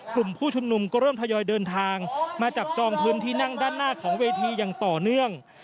กลุ่มผู้ชุมนุมก็เริ่มทยอยเดินทางมาจับจองพื้นที่นั่งด้านหน้าของเวทีอย่างต่อเนื่อง